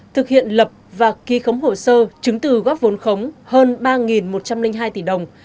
thực hiện lập và ký khống hồ sơ chứng từ góp vốn khống hơn ba một trăm linh hai tỷ đồng